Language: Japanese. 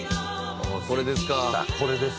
「これですか」